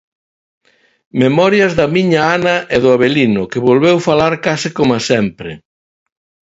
Memorias da miña Ana, e do Avelino, que volveu falar case coma sempre.